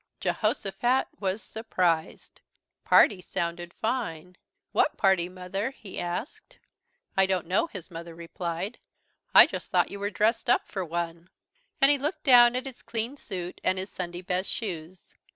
Jehosophat was surprised. "Party" sounded fine. "What party, Mother?" he asked. "I don't know," his mother replied. "I just thought you were dressed up for one." And he looked down at his clean suit and his Sunday best shoes.